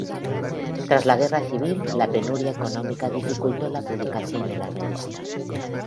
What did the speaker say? Tras la guerra civil, la penuria económica dificultó la publicación de la revista.